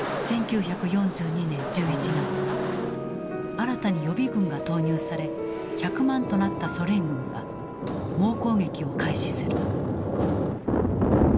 新たに予備軍が投入され１００万となったソ連軍が猛攻撃を開始する。